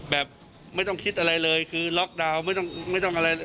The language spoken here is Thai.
แบบไม่ต้องคิดอะไรเลยคือล็อกดาวน์ไม่ต้องอะไรเลย